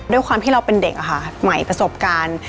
ด้วยความที่เราเป็นเด็กค่ะใหม่ประสบการณ์